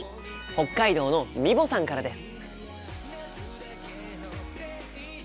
北海道のみぼさんからです。